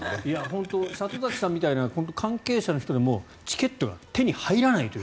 本当、里崎さんみたいな関係者の人でもチケットが手に入らないという。